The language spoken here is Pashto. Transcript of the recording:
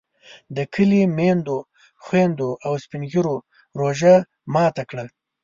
د کلي میندو، خویندو او سپین ږیرو روژه ماته کړه.